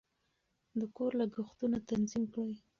د کور لګښتونه تنظیم کړئ.